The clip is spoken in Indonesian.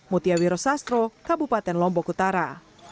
mutiawiro sastro kabupaten lombok utara